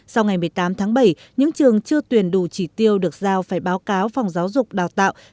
sau ngày một mươi tám tháng bảy những trường chưa tuyển đủ chỉ tiêu được giao phải báo cáo phòng giáo dục đào tạo